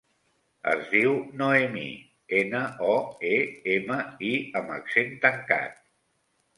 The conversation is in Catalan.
Es diu Noemí: ena, o, e, ema, i amb accent tancat.